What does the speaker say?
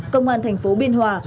công an thành phố biên hòa